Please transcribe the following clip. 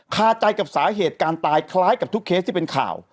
คาใจกับสาเหตุการณ์ตายคล้ายกับทุกเคสที่เป็นข่าว